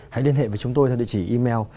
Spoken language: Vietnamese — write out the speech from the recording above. hãy liên hệ với chúng tôi theo địa chỉ email